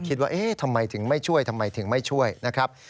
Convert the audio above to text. คิดว่าเอ๊ะทำไมถึงไม่ช่วยทำไมถึงไม่ช่วยนะครับ